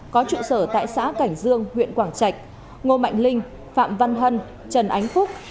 có trụ sở tại xã cảnh dương huyện quảng trạch ngô mạnh linh phạm văn hân trần ánh phúc